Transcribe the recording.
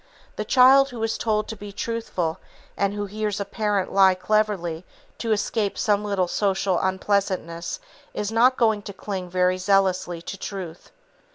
The child who is told to be truthful and who hears a parent lie cleverly to escape some little social unpleasantness is not going to cling very zealously to truth.